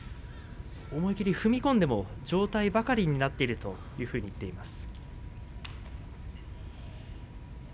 思い切り踏み込んでも上体ばかりになっているという話をしていました。